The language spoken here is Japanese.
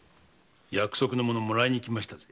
約束のものもらいにきましたぜ。